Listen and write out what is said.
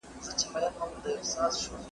جواب ورکړه؟!